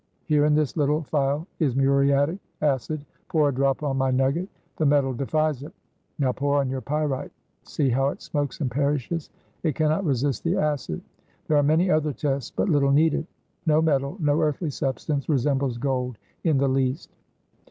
Here in this little phial is muriatic acid. Pour a drop on my nugget. The metal defies it. Now pour on your pyrites. See how it smokes and perishes. It cannot resist the acid. There are many other tests, but little needed. No metal, no earthly substance, resembles gold in the least."